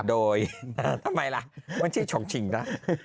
โดยทำไมล่ะมันชื่อชงชิงนะ